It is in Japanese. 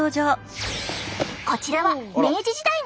こちらは明治時代の方！